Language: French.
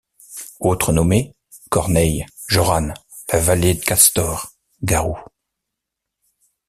Autres nommés: Corneille, Jorane, la Volée d'Castors, Garou.